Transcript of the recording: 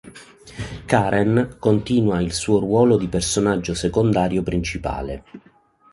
Karen continua il suo ruolo di personaggio secondario principale.